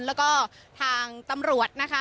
แล้วก็ทางตำรวจนะคะ